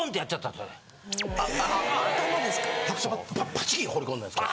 パチキ放り込んだんですか。